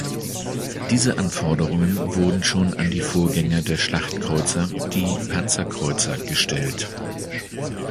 Diese Anforderungen wurden schon an die Vorgänger der Schlachtkreuzer, die Panzerkreuzer gestellt.